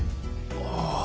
ああ。